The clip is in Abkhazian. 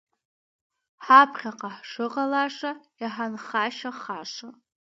Ҳаԥхьаҟа ҳшыҟалаша, иҳанхашьахаша!